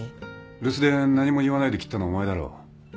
留守電何も言わないで切ったのお前だろう。